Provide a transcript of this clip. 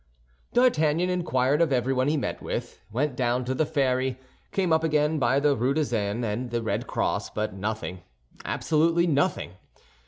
D'Artagnan inquired of everyone he met with, went down to the ferry, came up again by the Rue de Seine, and the Red Cross; but nothing, absolutely nothing!